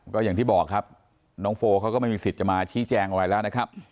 ก็อย่างที่บอกครับน้องโฟเขาก็ไม่มีสิทธิ์จะมาชี้แจงอะไรแล้วนะครับ